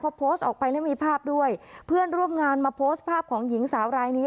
พอโพสต์ออกไปแล้วมีภาพด้วยเพื่อนร่วมงานมาโพสต์ภาพของหญิงสาวรายนี้